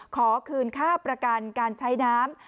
ขอคืนค่าประกันการใช้น้ำ